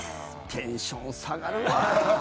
テンション下がるわあ。